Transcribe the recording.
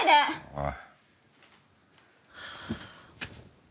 おい！